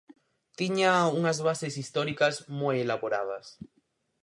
Tiña unas bases históricas moi elaboradas.